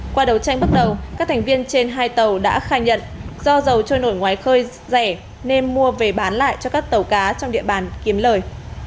qua đầu tranh bước đầu các thành viên trên hai tàu đã khai nhận do dầu trôi nổi ngoái khơi rẻ nên mua về bán lại cho các tàu cá trong địa bàn kiếm lời